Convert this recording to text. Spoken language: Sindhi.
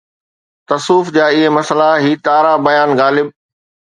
تصوف جا اهي مسئلا، هي تارا بيان غالب